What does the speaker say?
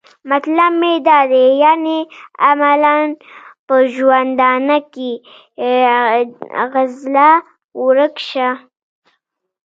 مطلب مې دا دی یعنې عملاً په ژوندانه کې؟ ځغله ورک شه.